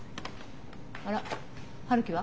あら陽樹は？